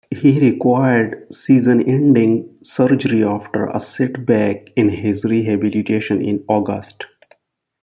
He required season-ending surgery after a setback in his rehabilitation in August.